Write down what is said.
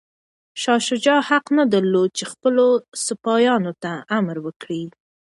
شاه شجاع حق نه درلود چي خپلو سپایانو ته امر وکړي.